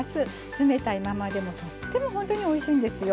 冷たいままでもとっても本当においしいんですよ。